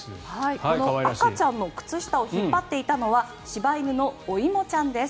この赤ちゃんの靴下を引っ張っていたのは柴犬のおいもちゃんです。